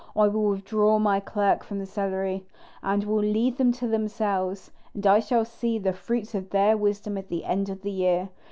I will withdraw my clerk from the cellary, and will leave them to themselves; and I shall see the fruits of their wisdom at the end of the year.